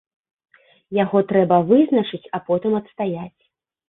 Яго трэба вызначыць, а потым адстаяць.